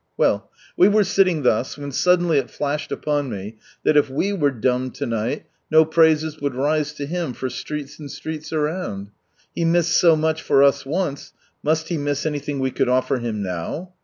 Weil, we were sitting thus, when suddenly it flashed upon me that if we were dumb ■night, no praises would rise to Him for streets and streets around. e missed so much for us once, must He miss anything we could offer Him now